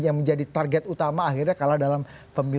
yang menjadi target utama akhirnya kalah dalam pemilu